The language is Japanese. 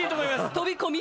飛び込み？